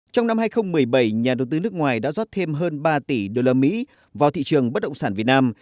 trong năm hai nghìn một mươi bảy nhà đầu tư nước ngoài đã rót thêm hơn ba tỷ usd vào thị trường bất động sản việt nam